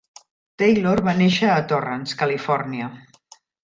Taylor va néixer a Torrance, Califòrnia.